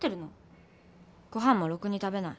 ご飯もろくに食べない。